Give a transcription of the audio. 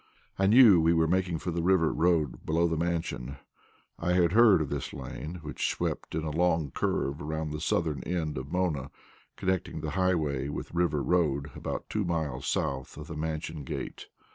I knew we were making for the River Road below the Mansion. I had heard of this lane, which swept in a long curve around the southern end of Mona, connecting the Highway with River Road about two miles south of the Mansion gate.